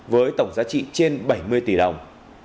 với tổng giá trị trên bảy mươi tỷ đồng